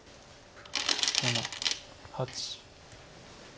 ７８。